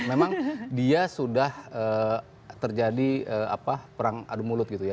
memang dia sudah terjadi perang adu mulut gitu ya